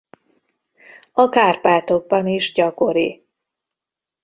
A Kárpátokban is gyakori.